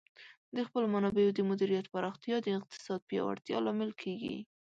د خپلو منابعو د مدیریت پراختیا د اقتصاد پیاوړتیا لامل کیږي.